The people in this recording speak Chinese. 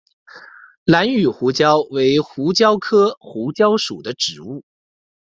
兰屿胡椒为胡椒科胡椒属的植物。